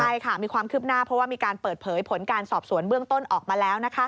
ใช่ค่ะมีความคืบหน้าเพราะว่ามีการเปิดเผยผลการสอบสวนเบื้องต้นออกมาแล้ว